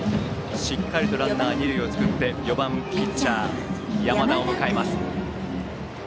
しっかりとランナー二塁を作り４番、ピッチャー山田を迎えます。